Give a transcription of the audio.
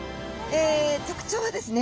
え特徴はですね